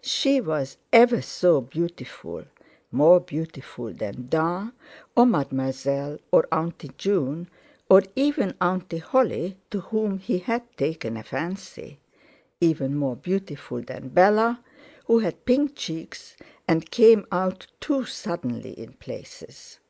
She was ever so beautiful, more beautiful than "Da" or Mademoiselle, or "Auntie" June or even "Auntie" Holly, to whom he had taken a fancy; even more beautiful than Bella, who had pink cheeks and came out too suddenly in places.